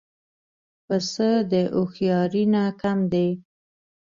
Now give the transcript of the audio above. پسه د هوښیارۍ نه کم دی.